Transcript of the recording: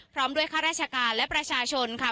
พร้อมด้วยข้าราชการและประชาชนค่ะ